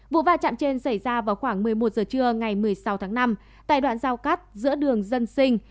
vụ va chạm trên xảy ra vào khoảng một mươi một giờ trưa ngày một mươi sáu tháng năm tại đoạn giao cắt giữa đường dân sinh